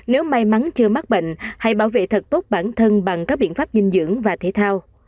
nếu may mắn chưa mắc bệnh hãy bảo vệ thật tốt bản thân bằng các biện pháp dinh dưỡng và thể thao